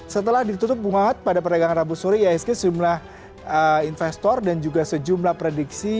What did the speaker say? setelah ditutup bung hat pada perdagangan rabu sore iasg sejumlah investor dan juga sejumlah prediksi